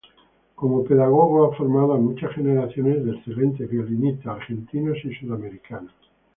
Como pedagogo ha formado a muchas generaciones de excelentes violinistas argentinos y sudamericanos.